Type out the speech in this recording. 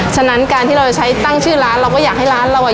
ฉะนั้นการที่เราจะใช้ตั้งชื่อร้านเราก็อยากให้ร้านเราอ่ะ